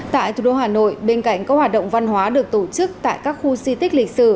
tại thủ đô hà nội bên cạnh các hoạt động văn hóa được tổ chức tại các khu di tích lịch sử